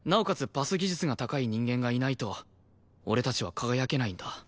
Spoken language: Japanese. パス技術が高い人間がいないと俺たちは輝けないんだ。